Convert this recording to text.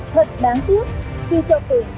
thật đáng tiếc suy cho tình